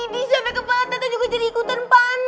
disampe kepala tata juga jadi ikutan panas